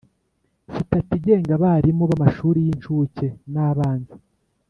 Sitati igenga abarimu b’amashuri y’incuke n’abanza